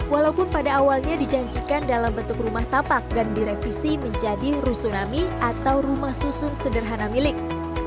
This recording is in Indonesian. walaupun pada awalnya dijanjikan dalam bentuk rumah tapak dan direvisi menjadi rusunami atau rumah susun sederhana milik